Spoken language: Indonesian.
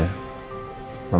mereka kalau tidak selesai